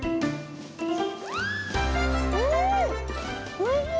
おいしい！